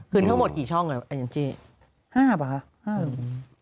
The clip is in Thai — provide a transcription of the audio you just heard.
คืนอาจริงบันทับผม๕บาท